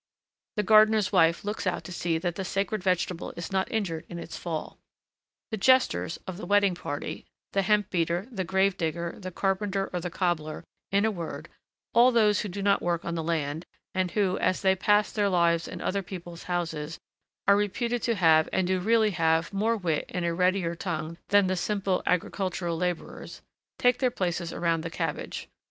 The gardener's wife looks out to see that the sacred vegetable is not injured in its fall. The Jesters of the wedding party, the hemp beater, the grave digger, the carpenter, or the cobbler, in a word, all those who do not work on the land, and who, as they pass their lives in other people's houses, are reputed to have and do really have more wit and a readier tongue than the simple agricultural laborers, take their places around the cabbage.